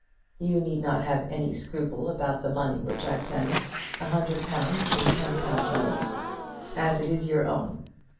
You need not have any scruple about the money which I send, £100 in ten ten pound notes, as it is your own.